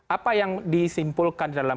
apa yang disimpulkan dalam